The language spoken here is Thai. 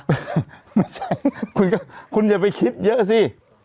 ไม่ใช่คุณก็คุณอย่าไปคิดเยอะสิ